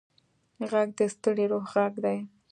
غږ د ستړي روح غږ دی